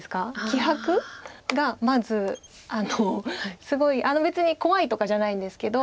気迫がまずすごい別に怖いとかじゃないんですけど。